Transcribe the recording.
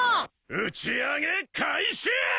打ち上げ開始！